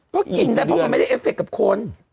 ก็กินได้เพราะมันไม่ได้เอฟเคกับคน